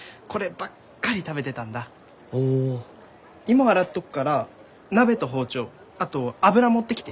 芋洗っとくから鍋と包丁あと油持ってきて。